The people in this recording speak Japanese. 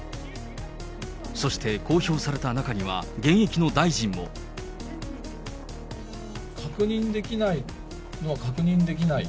そして公表された中には、現役の大臣も。確認できないのは確認できない。